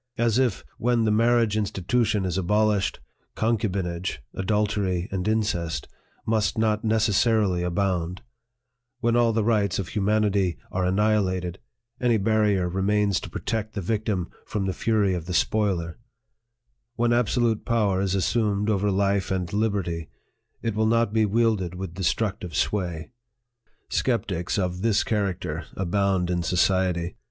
As if, when the marriage institution is abolished, concubinage, adultery, and incest, must not necessarily abound ; when all the rights of humanity are annihilated, any barrier remains to protect the victim from the fury of the spoiler ; when absolute power is assumed over life and liberty, it will not be wielded with destructive sway ! Skeptics of this character abound in society.